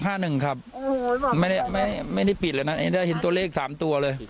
หกห้าหนึ่งครับโอ้โหไม่ได้ไม่ได้ไม่ได้ไม่ได้ปิดเลยนะได้เห็นตัวเลข๓ตัวเลย